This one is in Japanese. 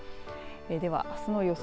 ではあすの予想